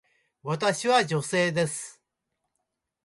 私は女性です。